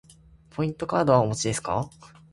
ポイントカードはお持ちですか。